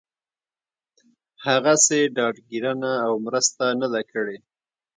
هغسې ډاډ ګيرنه او مرسته نه ده کړې